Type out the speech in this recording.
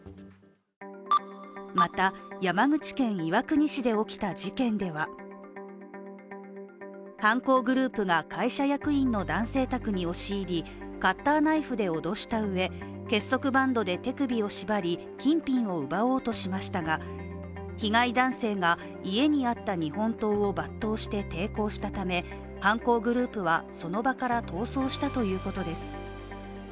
また山口県岩国市で起きた事件では犯行グループが会社役員の男性宅に押し入りカッターナイフで脅したうえ結束バンドで手首を縛り、金品を奪おうとしましたが、被害男性が家にあった日本刀を抜刀して抵抗したため、犯行グループはその場から逃走したということです。